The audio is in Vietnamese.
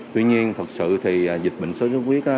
tuy nhiên thật sự thì dịch bệnh sốt sốt khuyết